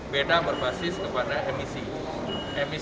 beda berbasis kepada emisi